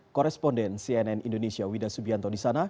koresponden cnn indonesia wida subianto di sana